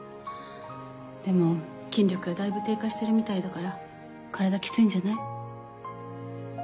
でも筋力がだいぶ低下してるみたいだから体キツいんじゃない？